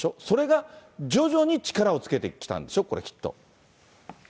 それが徐々に力をつけてきたんでしょ、これ、きっと。